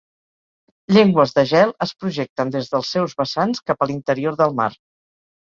Llengües de gel es projecten des dels seus vessants cap a l'interior del mar.